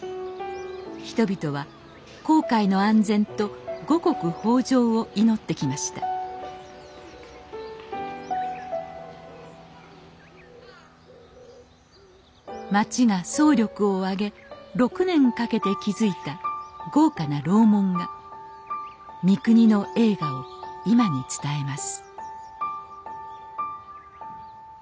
人々は航海の安全と五穀豊穣を祈ってきました町が総力を挙げ６年かけて築いた豪華な楼門が三国の栄華を今に伝えます